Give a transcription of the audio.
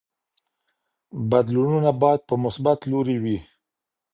بدلونونه باید په مثبت لوري وي.